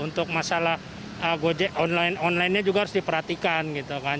untuk masalah gojek onlinenya juga harus diperhatikan gitu kan